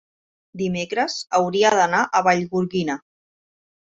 dimecres hauria d'anar a Vallgorguina.